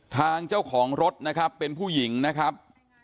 ทางเจ้าของรถนะครับเป็นผู้หญิงนะครับ